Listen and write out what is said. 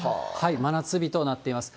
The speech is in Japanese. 真夏日となっています。